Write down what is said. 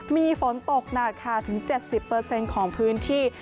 มีฝนตกหนักค่ะถึง๗๐ของพื้นที่